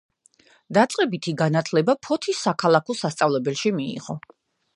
დაწყებითი განათლება ფოთის საქალაქო სასწავლებელში მიიღო.